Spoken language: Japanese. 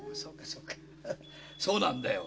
そうなんだよ。